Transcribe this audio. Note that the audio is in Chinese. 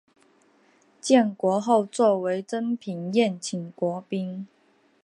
建国后作为珍品宴请国宾。